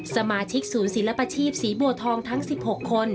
สมาชิกศูนย์ศิลปชีพศรีบัวทองทั้ง๑๖คน